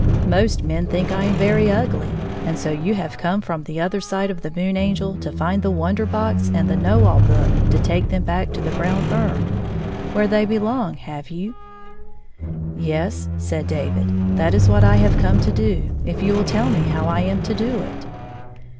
" Most men think I am very ugly. And so you have come from the other side of the Moon Angel to find the Wonder Box and the Know All Book to take them back to the brown earth, where they belong, have you ?" "Yes," said David; "that is what I have come to do, if you will tell me how I am to do it."